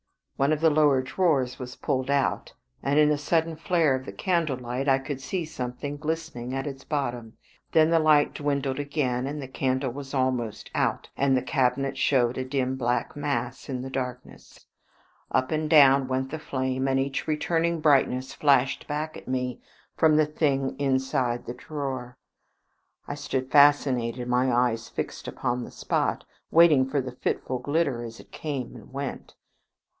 One of the lower drawers was pulled out, and in a sudden flare of the candle light I could see something glistening at its bottom. Then the light dwindled again, the candle was almost out, and the cabinet showed a dim black mass in the darkness. Up and down went the flame, and each returning brightness flashed back at me from the thing inside the drawer. I stood fascinated, my eyes fixed upon the spot, waiting for the fitful glitter as it came and went.